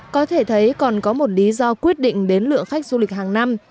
có thể thấy còn có một lý do quyết định đến lượng khách du lịch hàng năm